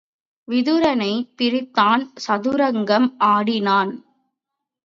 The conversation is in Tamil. விதுரனைப் பிரித்தான் சதுரங்கம் ஆடி– னான்.